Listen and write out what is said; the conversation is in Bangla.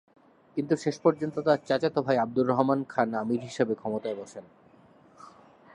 কিন্তু শেষপর্যন্ত তার চাচাত ভাই আবদুর রহমান খান আমির হিসেবে ক্ষমতায় বসেন।